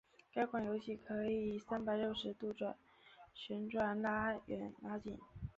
该款游戏可以三百六十度旋转拉远拉近。